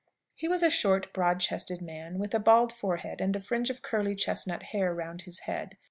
He was a short, broad chested man, with a bald forehead and a fringe of curly chestnut hair round his head.